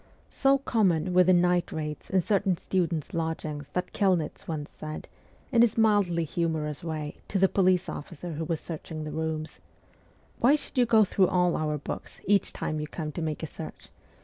So common were the night raids in certain students' lodgings that Kelnitz once said, in his mildly humorous way, to the police officer who was searching the rooms :' Why should you go through all our books, each time you come to make a search